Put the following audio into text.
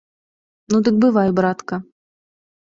Ну, дык бывай, братка!